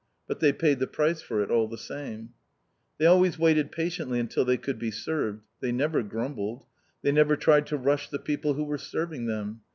But they paid the price for it all the same. They always waited patiently until they could be served. They never grumbled. They never tried to rush the people who were serving them.